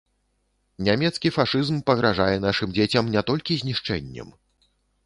Нямецкі фашызм пагражае нашым дзецям не толькі знішчэннем.